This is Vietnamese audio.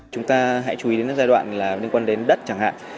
chúng ta hãy chú ý đến giai đoạn liên quan đến đất chẳng hạn